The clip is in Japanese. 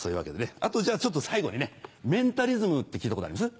あとじゃあちょっと最後にね「メンタリズム」って聞いたことあります？